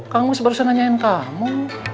kang mus barusan nanyain kamu